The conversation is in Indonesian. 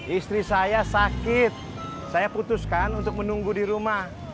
istri saya sakit saya putuskan untuk menunggu di rumah